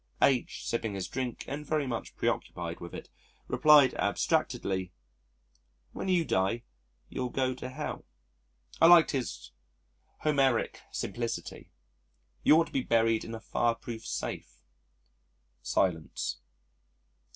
H. (sipping his drink and very much preoccupied with it) replied abstractedly, "When you die you'll go to Hell." (I liked his Homeric simplicity.) "You ought to be buried in a fireproof safe." Silence.